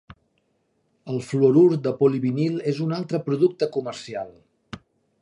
El fluorur de polivinil és un altre producte comercial.